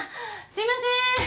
すいません。